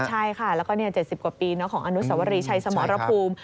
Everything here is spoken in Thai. ใช่ค่ะแล้วก็๗๐กว่าปีของอนุสวรีชัยสมรภูมิ